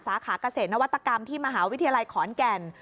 สาขาเกษตรนวัตกรรมที่มหาวิทยาลัยขอนแก่น